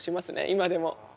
今でも。